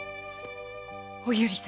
お由利様